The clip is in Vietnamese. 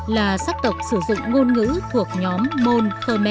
là sát tộc sử dụng ngôn ngữ thuộc nhóm môn khơ mè